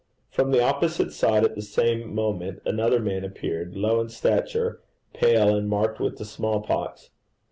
From the opposite side at the same moment, another man appeared, low in stature, pale, and marked with the small pox.